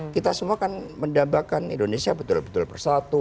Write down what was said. kita semua kan mendambakan indonesia betul betul bersatu